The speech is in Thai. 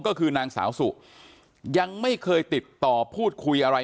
ก็คือนางสาวสุยังไม่เคยติดต่อพูดคุยอะไร